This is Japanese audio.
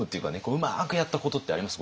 うまくやったことってあります？